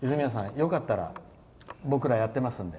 よかったら僕ら、やってますので。